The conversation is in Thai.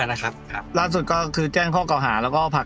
สุดท้ายก็ไม่มีทางเลือกที่ไม่มีทางเลือก